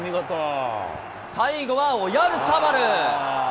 最後はオヤルサバル。